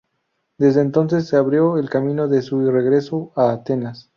Desde entonces se abrió el camino de su regreso a Atenas.